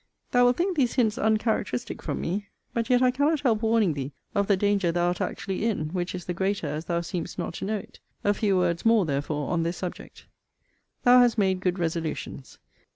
Thou wilt think these hints uncharacteristic from me. But yet I cannot help warning thee of the danger thou art actually in; which is the greater, as thou seemst not to know it. A few words more, therefore, on this subject. Thou hast made good resolutions.